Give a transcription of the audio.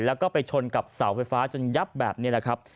แล้วก็ไปชนกับเสาไฟฟ้าจนยับแบบนี้แหละครับ